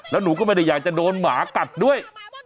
แล้วหนูก็ไม่ได้อยากจะโดนหมากัดด้วย